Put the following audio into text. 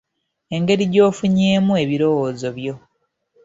Engeri gy'ofunyeemu ebirowoozo byo.